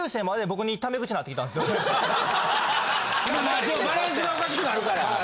でもまあバランスがおかしくなるから。